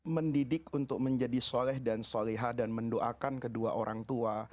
mendidik untuk menjadi soleh dan soleha dan mendoakan kedua orang tua